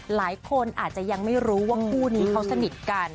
หลายคนอาจจะยังไม่รู้ว่าคู่นี้เขาสนิทกัน